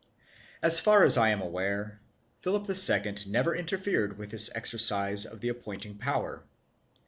2 So far as I am aware, Philip II never interfered with this exercise of the appointing power.